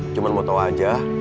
cuman mau tau aja